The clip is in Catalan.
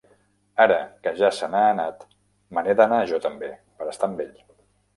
Ara que ja se n'ha anat, me n'he d'anar jo també per estar amb ell.